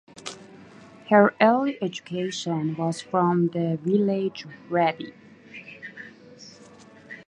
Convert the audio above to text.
Her early education was from the village rabbi.